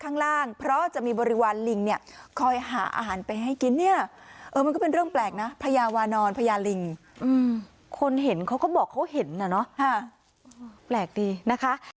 นอนพญาลิงอืมคนเห็นเขาก็บอกเขาเห็นอ่ะเนอะฮะแปลกดีนะคะ